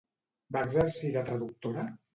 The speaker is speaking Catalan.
Va exercir de traductora?